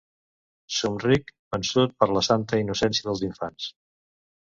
Somric, vençut per la santa innocència dels infants.